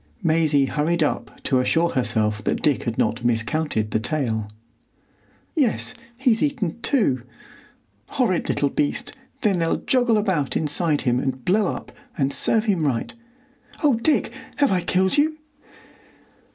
Maisie hurried up to assure herself that Dick had not miscounted the tale. "Yes, he's eaten two." "Horrid little beast! Then they'll joggle about inside him and blow up, and serve him right.... Oh, Dick! have I killed you?"